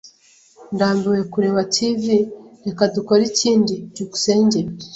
Ndambiwe kureba TV. Reka dukore ikindi. byukusenge